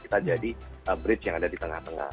kita jadi bridge yang ada di tengah tengah